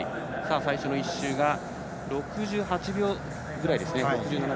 最初の１周が６８秒ぐらいですね。